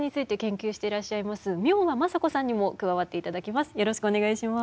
明和政子さんにも加わっていただきます。